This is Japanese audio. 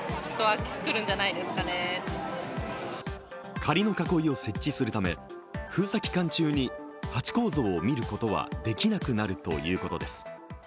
仮の囲いを設置するため封鎖期間中にハチ公像を見ることはできなくなるということです。